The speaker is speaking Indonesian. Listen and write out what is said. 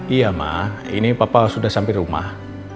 iya mak ini papa sudah sampai rumah